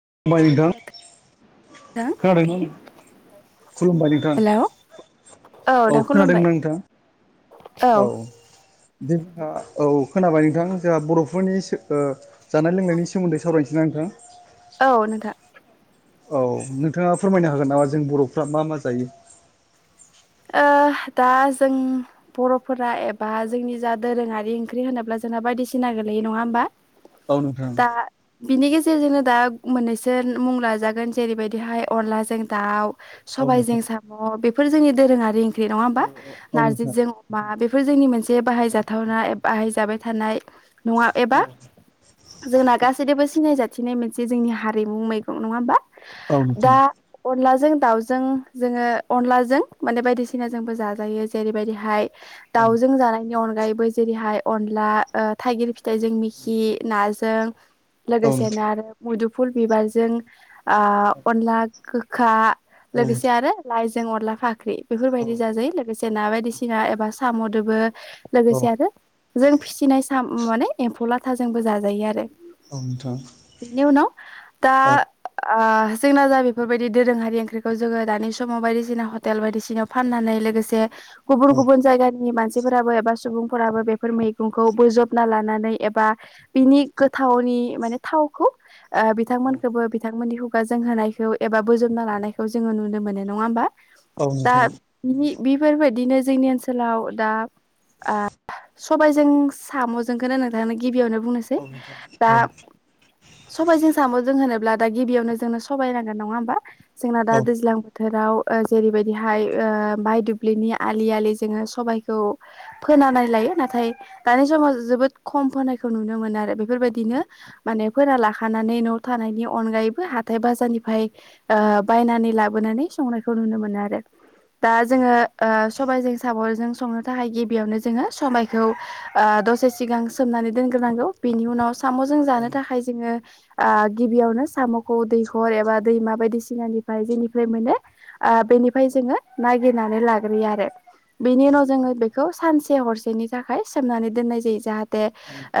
[unintelligible] नोंथां नोंथां खोनादों खोनादों खुलुमबाय नोंथां हेलौ औ नोंथां खुलुमबाय खोनादोंना नोंथां औ जोंहा औ खोनाबाय नोंथां जोंहा बर'फोरनि सो ओ जानाय लोंनायनि सोमोन्दै सावरायनोसै ना नोंथां? औ नोंथां। औ नोंथाङा फोरमायनो हागोन नामा जों बर'फ्रा मा मा जायो? ओ दा जों बर'फोरा एबा जोंनि जा दोरोङारि ओंख्रि होनोब्ला जोंहाब बायदिसिना गोलैयो नङा होमबा औ नोंथां दा बिनि गेज ज जों दा मोननैसो मुं लाजागोन जेरैबायदिहाय अनलाजों दाउ। औ नोंथां सबायजों साम' बेफोर जोंनि दोरोङारि ओंख्रि नङा औ होमबा औ नोंथां नारजिजों अमा बे बेफोर जोंनि मोनसे बाहायजाथावना बाहायजाबाय थानाय नङा एबा जोंना गासैजोंबो सिनायजायो। थिनाय मोनसे जोंनि हारिमु मैगां नङा ओमबा औ नोंथां औ नोंथां दा अनला जों जों दाउजों जोङो अनलाजों माने बायदिसिना जोंबो जाजायो जेरैबायदिहाय दाउजों जानायनि अन ओमफ्रायबो जेरैहाय अनला थाइगिर फिथाइजों मिखि नाजों। औ नोंथां लोगोसेनो आरो मुदुफुल बिबारजों ओ अनला गोखा। औ लोगोसे आरो लाइजों अनला फाख्रि बेफोरबायदि जाजायो लोगोसे। ना बायदिसिना एबा साम'दोबो औ लोगोसे आरो जों फिसिनाय साम माने एम्फौ लाथाजोंबो जाजायो आरो नोंथां बिनि उनाव दा औ ओ जोंना जा बेफोरबायदि दोरोङारि ओंख्रिखौ जोङो दानि समाव बायदिसिना। हटेल बायदिसिनायाव फाननानै लोगोसे गुबुन औ औ गुबुन जायगानि मानसिफोराबो एबा सुबुं फोराबो बेफोर मैगंखौ बोजबना लानानै एबा बिनि गोथावनि माने थावखौ ओ बिथांमोनखौबो बिथांमोननि खुगाजों होनायखौ एबा बोजबना लानायखौ जोङो नुनो मोनो नङा होमबा औ दा नोंथां बिनि बेफोरबायदिनो जोंनि ओनसोलाव दा सबायजों साम'जोंखौनो नोंथांनो गिबियावनो बुंनोसै औ नोंथां औ दा सबजों साम' जों होनो अब्ला दा गिबियावनो जोंनो सबबाय नांगोन नङा होमबा जोंना औ दा दैज्लां बोथोराव ओ जेरैबायदिहाय ओ बाहाय दुब्लिनि आलि आलि जोङो सबाइखौ फोनानै लायो नाथाय नाथाय दानि समाव जोबोद खम फनायखौ नुनो मोनो आरो बेफोरबायदिनो मान फोरा लाखानानै न' थानायनि अनगायैबो हा बाजारनिफ्राय ओ बायनानै लाबोनानै संनाय खौ नुनो मोनो आरो दा जोङो ओ सबायजों साबरजों संनो थाखाय गिबियावनो जोङो सबायखौ दसे सिगां सोमनानै दोनग्रोनांगौ बेनि उनाव सामजों जानो औ थाखाय जोंङो आ गिबियावनो साम'खौ दैखर एबा दैमा बायदिसिनानिफ्राय मोनो ओ बेनिफ्राय जोंङो नाइगिरनानै लाग्रोयो बेनि उनाव जोंङो बेखौ सानसे हरसेनि थाखाय सोमना दोननाय जायो जाहा दे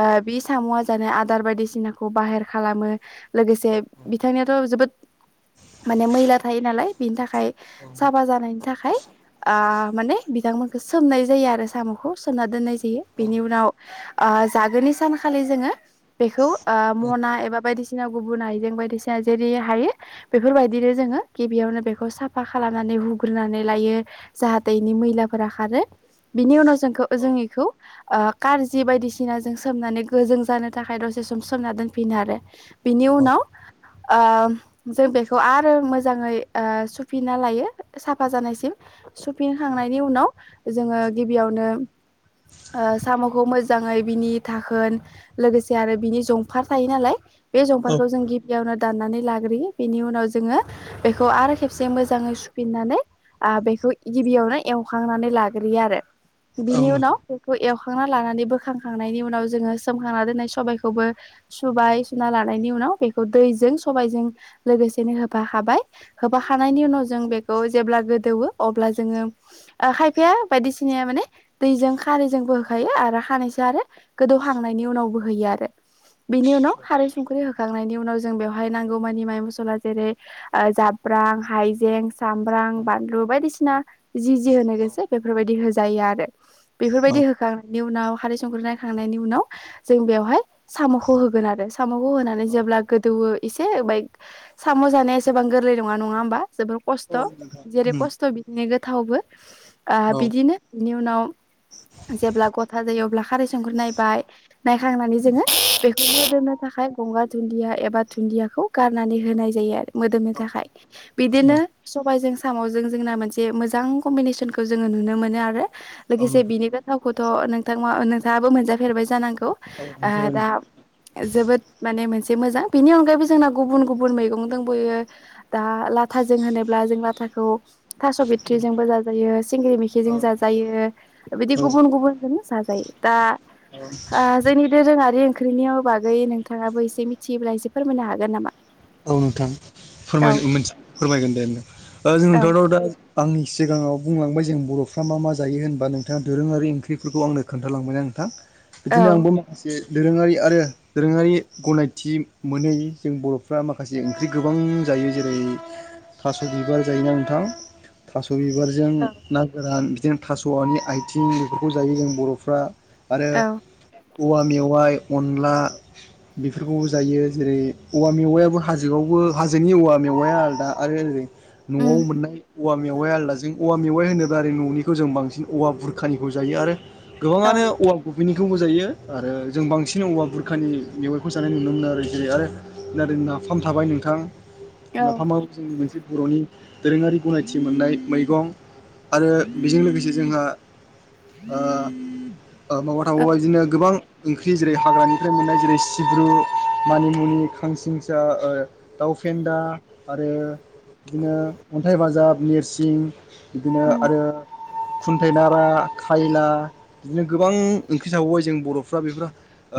ओ बि सामया जानो आदार बायदिसिनाखौ बाहेर खालामो लोगोसे बिथां नियावथ' जोबो माने मैला थायो नालाय बिनि थाखाय साफा जानायनि थाखाय ओ माने बिथांमोनखौ सोमनाय जायो आरो सामखौ सोमना दोन नाय जायो बेनि उनाव ओ जागोननि सानखालि जोंङो बेखौ ओ औ मना बायदिसिना गुबुन आइजें बायदिसिना जेरै हायो बेफोरबायदिनो जोंङो गिबियावनो बेखौ सा साफा खालामनानै हुग्रोनानै लायो जाहाथे इनि मैलाफोरा खारो बिनि उनाव जोंखौ जों इखौ ओ कारजि बायदिसिना जों सोमनानै गो जों जानो थाखाय दसे सोम सोमना दोनफिनो आरो बिनि उनाव ओ जों बेखौ आरो मोजांङै सु सुफिन्ना लायो साफा जानायसिम सुफिनखांनायनि उनाव जोंङो गिबियावनो सामखौ मोजांङै बिनि थाखोन लोगोसे आरो बिनि जंफार थायो नालाय बे जंफारखौ जों गिबियावनो दाननानै लाग्रोयो बेनि उनाव जोंङो बेखौ आरो से मोजांङै सुफिननानै आ बेखौ गिबियावनो एवखांनानै लाग्रोयो आरो औ बिनि औ उनाव बेखौ सुखांना लानानै बोखांखांनायनि उनाव जोंङो सोमखांना दोननाय सबायखौबो सुबाय सुना लानायनि उनाव बे दैजों सबायजों लोगोसेनो होफा खाबाय खांनायनि उनाव जों बेखौ जेब्ला गोदौवो अब्ला जोंङो ओ खायफाया बायदिसिनाया माने दैजों खारैजोंबो होखायो आरो खानैयसो आरो गोदौहांनायनि उनाव बो होयो आरो बिनि उनाव खारै सुंख्रि होखांनायनि उनाव जों बेवहाय नांगौमानि माइ मसला जेरै-जाब ब्रां हायजें सांग्रां बानलु बायदिसिना जि जि होनो गोसो बेफोर बायदि होजायो आरो आ रो औ बेफोरबायदि होखांनायनि उनाव खारै संख्रै नायखांनायनि उनाव जों बेयावहाय सामखौ होगोन आरो सामखौ होनानै जेब्ला गोदौ बो एसे होबाय साम जानाया एसेबां गोर गोरलै नंङा नंङाहोमबा जोबोर खस्थ जेरै नोंथां खस्थ बिदिनो गोथावबो ओ औ बिदिनो बिनि उनाव जेब्ला गथा जायो अब्ला खारै सुंख्रै नायबाय नायखांनानै जोंङो बेखौनो दोननो थाखाय हाइ गंगार दुन्दिया एबा दुन्दियाखौ गारनानै होनाय जायो आरो मोदोमनो था थाखाय बिदिनो सबायजों साम' जों जोंना मोनसे मोजां कमबीनेसनखौ नुनो मोनो आरो लोगोसे औ बिनि नोंथां दाब दा लाथाजों होनोब्ला थास' बिथि जोंबो जाजायो सिंग्रि मिखिजों जायो बिदि औ गुबुन-गुबुनजों जाजायो दा ओ जोंनि दोरोंङारि ओंख्रिनि बागै नोंथांङाबो एसे मिथियोब्ला एसे फोरमायनो हागोन नामा औ नोंथां औ फोरमनो मोनथि फोरमायगोन दे ओ जों औ नोंथांनाव दा आं सिगांङाव बुंलांबाय जों बरफ्रा मा मा जायो होनबा नोंथांङा दोरोंङारि ओंख्रिफोरखौ आंनो खोन्थालांबाय नोंथां औ बिदिनो आंबो माखासे दोरोंङारि आरो दोरोंङारि गनायथि मोनै जों बरफ्रा माखासे माखासे ओंख्रि गोबां जायो जेरै थास बिबार जायो नोंथां थास थास बिबारजों ना गोरान बिदिनो थासनि आथिं बेफोरखौ जायो जों बरफ्रा आरो औ औवा मेवाइ अनला बेफोरखौबो जायो जेरै-औवा मेवायाबो हाजोआवबो हाजोनि औवा मेवाया आलादा आरो ओरै उम नआव मोननाय औवा मेवाया आलादाजों औवा मेवाइ होनोब्ला आरो ननिखौ जों बांसिन औवा बुरखानिखौ जायो आरो ओ गोबांङानो औवा मिनिंखौबो जायो आरो जों बांसिन औवा बुरखानि मेवाइखौ जानाय नुनो मोनो आरो जेरै आरो ना हम थाबाय नोंथां औ नाफामा जोंनि मोनसे बर'नि दोरोङारि गनायथि मोननाय मैगं आरो बेजों लोगोसे जोंहा आ आ माबा थाबाव औ बाय बिदिनो गोबां ओंख्रि जेरै हाग्रानिफ्राय मोननाय जेरै सिब्रु मानिमुनि खांसिं दा ओ दाउ फेन्दा आरो बिदिनो अन्थाइ बाजाब नेरसिं बिदिनो उम आरो खुन्थायाइ नारा खायला बिदिनो गोबां ओंख्रि साबोबबाय जों बर'फ्रा बेफोरो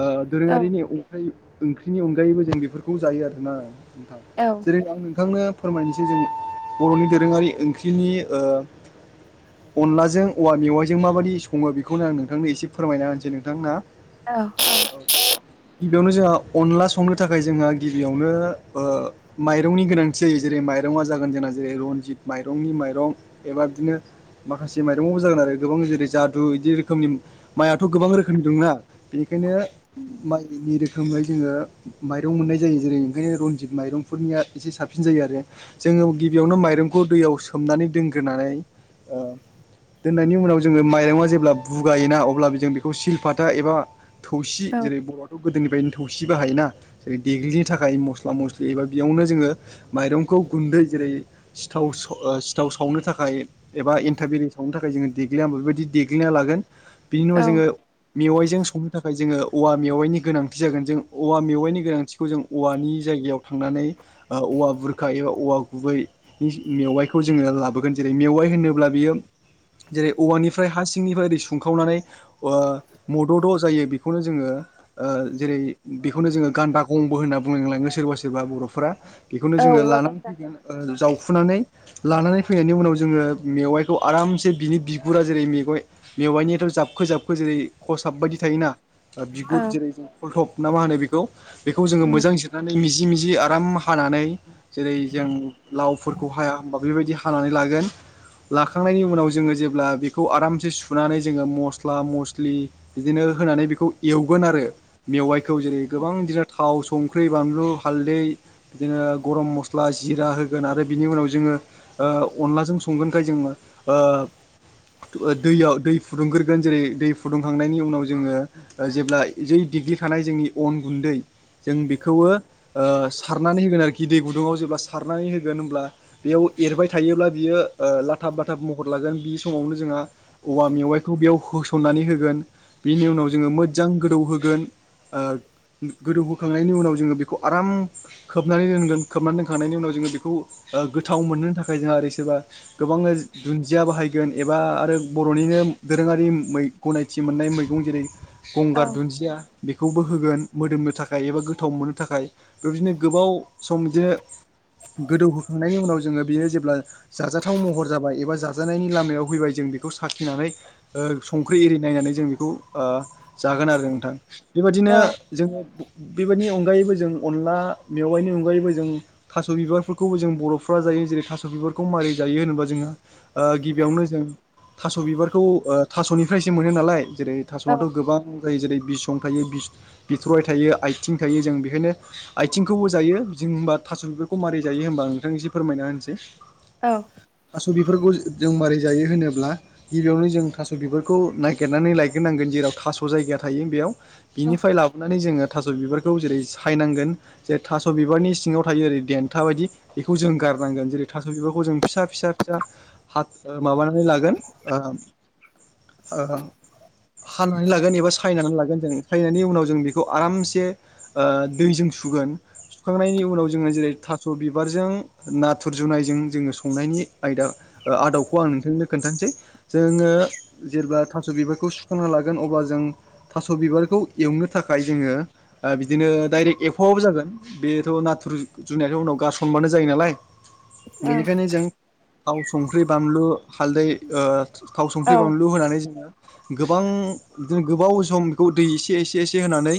ओ औ दोरोङारिनि उमफ्राय ओंख्रिनि अनगायैबो जों बेफोरखौ जायो आरोना नोंथां औ जेरै आं नोंथांनो फोरमायनोसै जों बर'नि दोरोङारि ओंख्रिनि अनलाजों औवा मेवाइजों माबायदि सङो बेखौनो आं नोंथांनो एसे फोरमायना होनोसै नोंथां ना औ औ बेयावनो जोंहा अनला संनो थाखाय जोंहा गिबियावनो ओ माइरंनि गोनांथि जायो जेरै माइरङा जागोन जोंना जेरै रनजित माइरंनि माइरं एबा बिदिनो माखासे माइरंबाबो जागोन आरो गोबां जेरै जादु बिदि रोखोमनि माइ आ‌ थ' गोबां रोखोमनि दंना बेनिखायनो माइनि रोखोमै जोङो माइरं मोननाय ज जों जेरिनि फरायनो रनजित माइरं फोरनिया ऐसे साबसिन जायो आरो जों गिबियावनो माइरं खौ दैयाव सोम हमनानै दोनग्रोनानै ओ दोननायनि उनाव जोङो माइरंआ जेब्ला बुगायोना अब्ला जों बेखौ सिल फाथा एबा थौसि औ जेरै बर'आथ' गोदोनिफ्रायनो थौसि बाहायोना जेरै देग्लिनि थाखाय मस्ला मस्लि एबा बेयावनो जोङो माइरंखौ गुन्दै जेरै सिथाव स ओ सिथाव सावनो थाखाय एबा एन्टाफ ऐरि सावनो थाखाय जोङो देग्लिया होमबाथ बेबायदि देग्लिना लागोन बिनि उनाव औ जोङो मेवाइजों संनो थाखाय जोङो औवा मेवाइनि गोनांथि जागोन जों औवा मेवाइनि गोनांथि खौ जों औवानि जायगायाव थांनानै औवा बुरखा एबा औवा गुबै नि मेवाइखौ जो लाबोगोन जेरै मेवाइ होनोब्ला बियो जेरै औवानिफ्राय हा सिंनिफ्राय ओरै सुंखावनानै ओ मद'द' जायो बेखौनो जोङो ओ जेरै बेखौनो जोङो गानदा गंबो होनना बुंलांलाङो सोरबा सोरबा बर'फोरा बेखौनो जोङो औवा लानानै गाजा फैगोन जावखुनानै लानानै फैनायनि उनाव जोङो मेवाइखौ आरामसे बिनि बिगुरा जेरै मेवाइ मेवाइनियाथ' जाबखो जाबखो जेरै खसाब बायदि थायोना बिगुर औ जेरै जों फलथप ना मा होनो बेखौ बेखौ जोङो उम मोजां जिरनानै मिजि मिजि जि आराम हानानै जेरै जों लावफोरखौ हाया होनोमबा बेबायदि हानानै लागोन लाखांनायनि उनाव जोङो जेब्ला बेखौ आरामसे सुनानै जोङो मस्ला मस्लि बिदिनो होनानै बेखौ एवगोन आरो मेवाइखौ जेरै गोबां दि थाव संख्रि बानलु हाल्दै बिदिनो गरम मस्ला जिरा होगोन आरो बिनि उनाव जोङो ओ अनलाजों संगोनखाय जोङो ओ दैयाव दै फुदुंग्रोगोन जेरै दै फुदुंखांनायनि उनाव जोङो जेब्ला जै दिग्लिखानाय जोंनि अन गुन्दै जों बेखौबो ओ सारनानै होगोन आरो गिदै गुदुङआव जेब्ला सारनानै होगोन होनब्ला बे याव एरबाय थायोब्ला बि ओ लाथाब बाथाब महर लागोन बि समावनो जोंहा औवा मेवाइखौ बियाव बिखौ होसननानै होगोन बेनि उनाव जोंङो मोजां गोदौ होगोन ओ गोदौ होखांनायनि उनाव जोंङो बेखौ आराम खोबनानै दोनगोन खोबनानै दोनखांनायनि उनाव जोंङो बेखौ ओ गोथाव मोनो थाखाय जोंहा ओरै सोरबा गोबांनो दुन्दिया बाहायगोन एबा आरो बर'निनो दोरोङारि गनायथि मोननाय मैगं जेरै औ गंगार दुन्दिया बेखौबो होगोन मोदोमनो थाखाय एबा गोथाव मोननो थाखाय बेबायदिनो गोबाव सम बिदिनो गोदौहोखांनायनि उनाव जोंङो बियो जेब्ला जाजाथाव महर जाबाय एबा जाजानायनि लामायाव फैबाय जों बेखौ साखिनानै ओ संख्रि एरि नायनानै जों बेखौ ओ जागोन आरो नोंथां औ बेबायदिनो जोंङो बेबायदिनि अनगायैबो जों अनला मेवाइनि अनगायैबो जों थास' बिबारफोरखौबो जों बर'फ्रा जायो। जेरै थास' बिबारखौ मारै जायो होनोबा जोऔङो गिबियावनो जों थास' बिबारखौ ओ थास'निफ्रायसो मोनो नालाय। जेरै थास'आथ' गोबां जायो जेरै बिसं थायो बिथराय थायो। आथिं थायो जों बेखायनो आथिंखौबो जायो जों होनबा थास' बिबारखौ मारै जायो होनबा नोंथांनि एसे फोरमायना होनसै औ थास' बेफोरखौ जों मारै जायो होनोब्ला गिबियावनो जों थास' बिबारखौ नागिरनानै लायग्रोनांगोन जेराव थास' जायगाया थायो बेयाव औ बिनिफ्राय लाबोनानै जोंङो थास' बिबारखौ जेरै सायनांगोन जे थास' बिबारनि सिङाव थायो ओरै देन्था बायदि बेखौ जों गार गारनांगोन जेरै थास' बिबारखौ जों फिसा फिसा फिसा हा माबानानै लागोन ओ हानानै लागोन एबा सायनानै लागोन जों सायनायनि उनाव जों बेखौ आरामसे ओ दैजों सुगोन। सुखांनायनि उनाव जोंङो जेरै थास' बिबारजों नाथुर जुनायजों जोंङो संनायनि आयदा आदबखौ आं नोंथांनो खोन्थानोसै जोंङो जेब्ला थास' बिबारखौ सुखांना लागोन अब्ला जों जों थास' बिबारखौ एवनो थाखाय जोंङो बिदिनो डाइरेक्ट एवफायाबाबो जागोन बेथ' नाथुर जुनायथ' उनाव गारसनबानो जायो नालाय औ बेनिखायनो जों थाव संख्रि बानलु हालदै ओ थाव औ संख्रि बानलु होनानै जोंङो गोबां बिदिनो गोबाव सम बेखौ दै एसे एसे एसे होनानै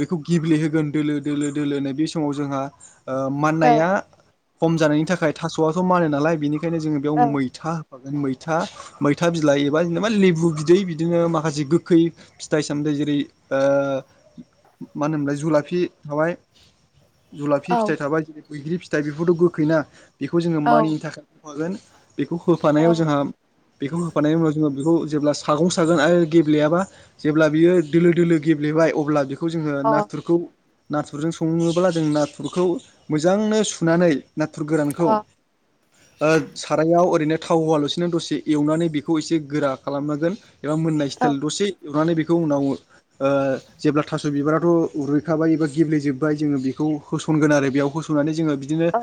बेखौ गेब्लेहोगोन दोलो दोलो दोलोनो बे समाव जोंहा औ माननाया खम जानायनि थाखाय थास'आथ' मानो नालाय बेनिखायनो जोंङो बेयाव औ मैथा मैथा मैथा बिलाइ एबा जेनेबा लेबु बिदै बिदिनो माखासे गोखै फिथाइ सामथाइ जेरै ओ मा होनोमोनलाय जुलाफि थाबाय जुलाफि औ फिथाइ थाबाय जेरै बैग्रि फिथाइ बेफोरथ' गोखै ना बेखौ जोंङो औ मानिनि थाखाय होफागोन बेखौ होफानायाव जोंहा बेखौ होफानाय उनाव जोंङो बेखौ जेब्ला सागं सागोन आरो गेब्लेयाबा जेब्ला बियो दोलो दोलो गेब्लेबाय अब्ला बे बेखौ जोंङो औ अ नाथुरखौ नाथुरजों सङोब्ला जों नाथुरखौ मोजांनो सुनानै नाथुर गोरानखौ अ ओ सारायाव ओरैनो थाव हौवालासिनो दसे एवनानै बेखौ एसे गोरा खालामनांगोन। एबा मोननाय औ स्टाइल दसे एवनानै बेखौ उनावो ओ जेब्ला थास' बिबाराथ' रुइखाबाय एबा गेब्लेेजोबबाय जोंङो बेखौ होसनगोन आरो बेयाव होन सुनानै जोंङो बिदिनो औ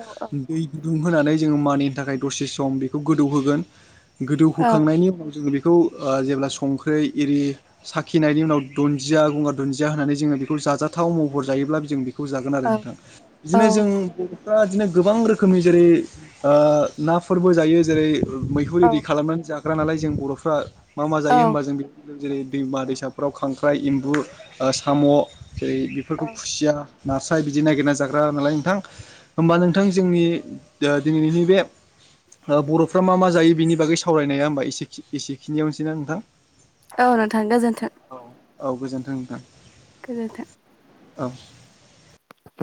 दै गुदुं होनानै जोंङो मानिनि थाखाय दसे सम बेखौ गोदौहोगोन। गोदौहोखांनायनि उनाव जोंङो बेखौ जेब्ला संख्रि एरि साखिनायनि उनाव दुन्दिया गंगार दुन्दिया होननानै जोंङो बेखौ जाजाथाव महर जायोब्ला जों बे खौ जागोन आरो नोंथां औ बिदिनो जों दा बिदिनो गोबां रोखोमनि जेरै नाफोरबो जायो जेरै - मैहुर इरि औ खालामनानै जाग्रा नालाय जों बर'फ्रा मा मा जायो होनबा जों बे जेरै दैमा दैसा नख'राव खांख्राइ एम्बु साम' जेरै बेफोरखौ खुसिया नास्राय बिदि नागिरना जाग्रा नालाय नोंथां होमबा नोंथां जोंनि दिनैनि बे बर'फ्रा मा मा जायो बिनि बागै सावरायनाया होनबा एसेखिनियावनोसैना नोंथां। औ नोंथां गोजोन्थों। औ औ गोजोन्थों नोंथां। गोजोन्थों। औ।